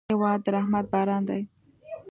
هېواد د رحمت باران دی.